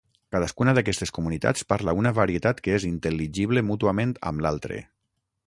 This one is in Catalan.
Cadascuna d'aquestes comunitats parla una varietat que és intel·ligible mútuament amb l'altre.